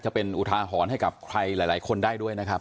จะเป็นอุทาหรณ์ให้กับใครหลายคนได้ด้วยนะครับ